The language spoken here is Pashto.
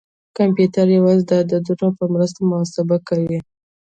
کمپیوټر یوازې د عددونو په مرسته محاسبه کوي.